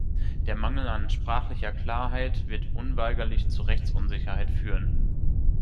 Der Mangel an sprachlicher Klarheit wird unweigerlich zu Rechtsunsicherheit führen.